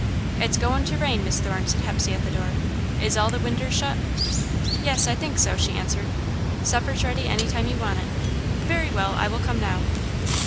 "It's goin' to rain, Miss Thorne," said Hepsey, at the door. "Is all the winders shut?" "Yes, I think so," she answered. "Supper's ready any time you want it." "Very well, I will come now."